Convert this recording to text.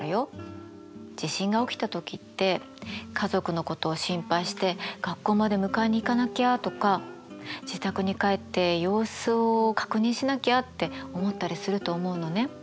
地震が起きた時って家族のことを心配して学校まで迎えに行かなきゃとか自宅に帰って様子を確認しなきゃって思ったりすると思うのね。